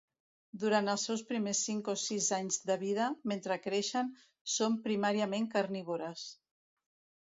Durant els seus primers cinc o sis anys de vida, mentre creixen, són primàriament carnívores.